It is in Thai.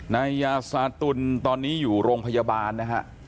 นายยาซาตุลตอนนี้อยู่โรงพยาบาลนะฮะ